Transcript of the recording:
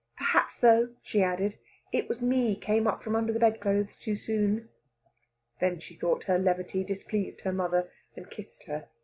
"Perhaps, though," she added, "it was me came up from under the bedclothes too soon." Then she thought her levity displeased her mother, and kissed her.